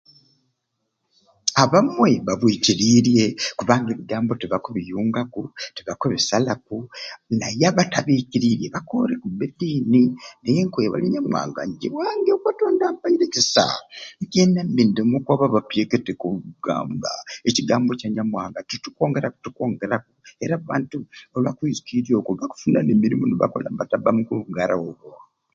Abamwe babwikiriirye abandi ebigambo tibakubiyungaku tibakubisalaku naye abatabiikiriirye bakoore kubbi eddiini naye nkwebalya onyamuwanga nje obwange o katonda ampaire ekisa njeena ndi omwe kwabo abakuteekateeka akugamba ekigambo Kya nyamuwanga tukwongeraku kitukwongeraku era abantu olwakwizukiirya okwo nibafuna n'emirimu ni bakola nibatabba mu kugarai okwe